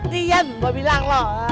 diam gua bilang